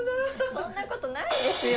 ・・そんなことないですよ・